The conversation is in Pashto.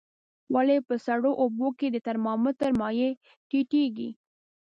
ولې په سړو اوبو کې د ترمامتر مایع ټیټیږي؟